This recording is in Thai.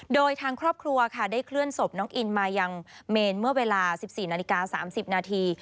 โดยทางครอบครัวค่ะได้เคลื่อนศพน้องอินมายังเมนเมื่อเวลา๑๔นาฬิกา๓๐นาที